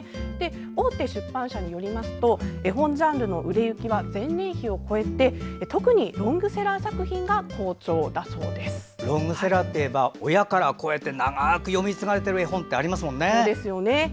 大手出版社によりますと絵本ジャンルの売れ行きは前年比を超えて特にロングセラー作品がロングセラーといえば親から子へと長く読み継がれている絵本ってありますもんね。